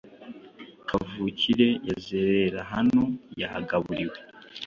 Kavukire yazerera hano yagaburiwe